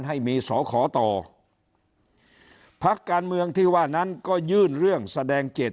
ให้มีสอขอต่อพักการเมืองที่ว่านั้นก็ยื่นเรื่องแสดงเจ็ด